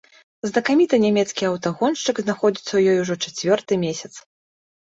Знакаміты нямецкі аўтагоншчык знаходзіцца ў ёй ужо чацвёрты месяц.